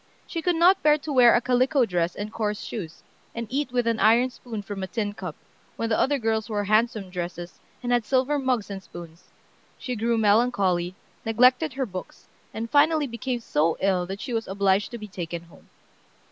she could not bear to wear a calico dress and coarse shoes, and eat with an iron spoon from a tin cup, when the other girls wore handsome dresses, and had silver mugs and spoons. She grew melancholy, neglected her books, and finally became so ill that she was obliged to be taken home.